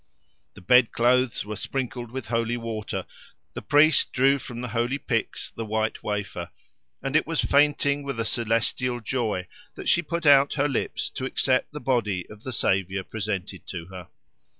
The bed clothes were sprinkled with holy water, the priest drew from the holy pyx the white wafer; and it was fainting with a celestial joy that she put out her lips to accept the body of the Saviour presented to her.